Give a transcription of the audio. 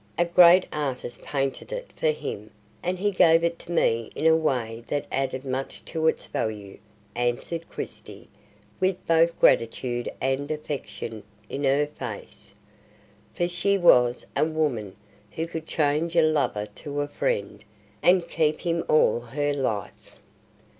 A great artist painted it for him, and he gave it to me in a way that added much to its value," answered Christie, with both gratitude and affection in her face; for she was a woman who could change a lover to a friend, and keep him all her life.